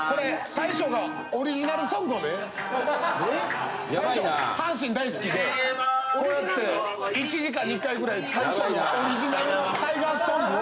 大将阪神大好きでこうやって１時間に１回ぐらい大将のオリジナルタイガースソングを。